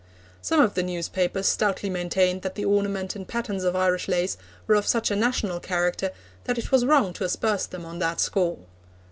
Some of the newspapers stoutly maintained that the ornament and patterns of Irish lace were of such a national character that it was wrong to asperse them on that score.